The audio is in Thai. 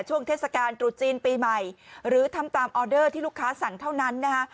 ช่วงเทศกาลตรุษจีนปีใหม่หรือทำตามออเดอร์ที่ลูกค้าสั่งเท่านั้นนะคะ